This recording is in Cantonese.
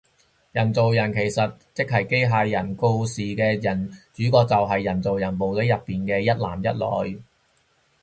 人造人其實即係機械人，故事嘅主角就係人造人部隊入面嘅一男一女